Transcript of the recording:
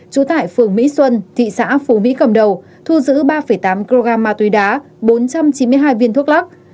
trú tại phường mỹ xuân thị xã phú mỹ cầm đầu thu giữ ba tám kg ma túy đá bốn trăm chín mươi hai viên thuốc lắc